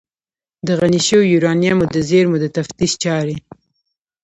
د غني شویو یورانیمو د زیرمو د تفتیش چارې